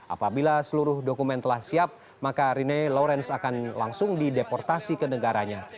apabila seluruh dokumen telah siap maka rene lawrence akan langsung dideportasi ke negaranya